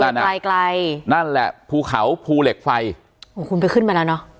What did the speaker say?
เห็นอยู่อ่ะใกล้นั่นแหละภูเขาฟูเหล็กไฟโหคุณไปขึ้นไปแล้วเนอะ